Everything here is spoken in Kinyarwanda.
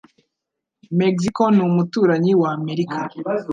Mexico ni umuturanyi wa Amerika.